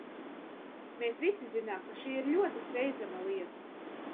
Mēs visi zinām, ka šī ir ļoti steidzama lieta.